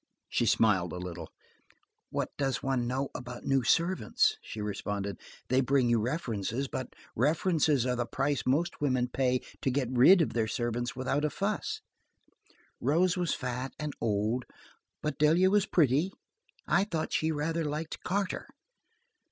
She smiled a little. "What does one know about new servants?" she responded. "They bring you references, but references are the price most women pay to get rid of their servants without a fuss. Rose was fat and old, but Delia was pretty. I thought she rather liked Carter."